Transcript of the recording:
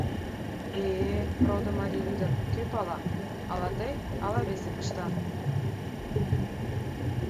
— Э-э, родо марий лӱдын, кӧ пала, ала тый, ала весе пышта.